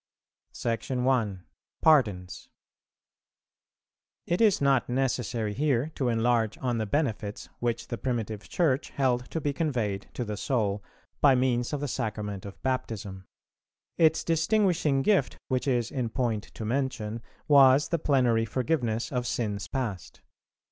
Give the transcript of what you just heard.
§ 1. Pardons. It is not necessary here to enlarge on the benefits which the primitive Church held to be conveyed to the soul by means of the Sacrament of Baptism. Its distinguishing gift, which is in point to mention, was the plenary forgiveness of sins past.